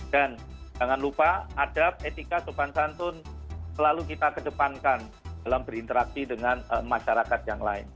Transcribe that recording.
dan jangan lupa adat etika sopan santun selalu kita kedepankan dalam berinteraksi dengan masyarakat yang lain